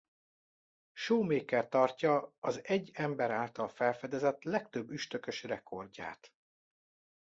Shoemaker tartja az egy ember által felfedezett legtöbb üstökös rekordját.